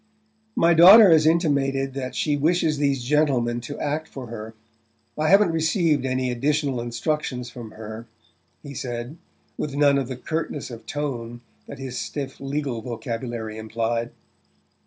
"My daughter has intimated that she wishes these gentlemen to act for her. I haven't received any additional instructions from her," he said, with none of the curtness of tone that his stiff legal vocabulary implied.